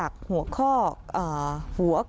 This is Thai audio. คุณค่ะ